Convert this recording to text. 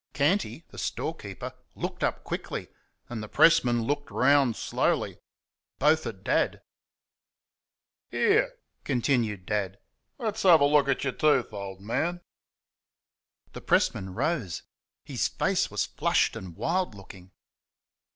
Canty, the storekeeper, looked up quickly, and the pressman looked round slowly both at Dad. "Here," continued Dad "let's have a look at yer tooth, old man!" The pressman rose. His face was flushed and wild looking.